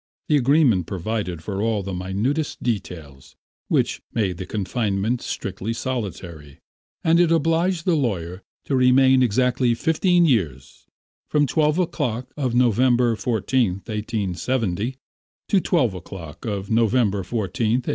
The agreement provided for all the minutest details, which made the confinement strictly solitary, and it obliged the lawyer to remain exactly fifteen years from twelve o'clock of November 14th, 1870, to twelve o'clock of November 14th, 1885.